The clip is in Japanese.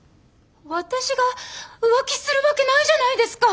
私が浮気するわけないじゃないですか！